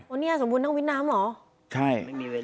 วันนี้สมบุญต้องวิทย์น้ำเหรอใช่